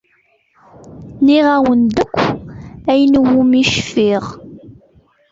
Nniɣ-awen-d akk ayen iwumi cfiɣ.